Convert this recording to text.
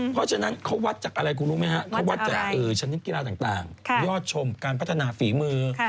เพราะฉะนั้นเขาวัดจากอะไรคุณรู้ไหมฮะเขาวัดจากชนิดกีฬาต่างยอดชมการพัฒนาฝีมือ